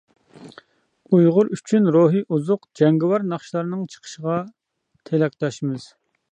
ئۇيغۇر ئۈچۈن روھىي ئوزۇق جەڭگىۋار ناخشىلارنىڭ چىقىشىغا تىلەكداشمىز!